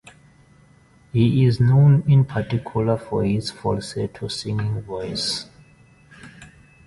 He is known in particular for his falsetto singing voice.